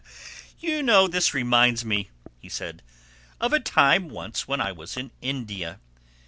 "You know this reminds me," he said, "of a time once when I was in India.